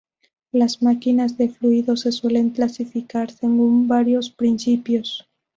Las máquinas de fluido se suelen clasificar según varios principios.